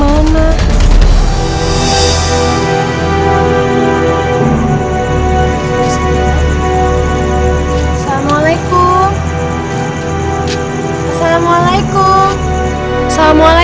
hanya sama ready